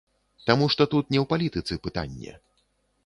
Таму што тут не ў палітыцы пытанне.